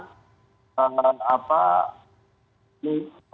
dengan apa ya